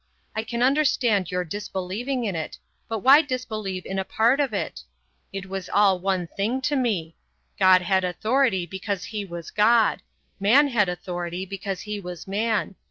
I can understand your disbelieving in it, but why disbelieve in a part of it? It was all one thing to me. God had authority because he was God. Man had authority because he was man.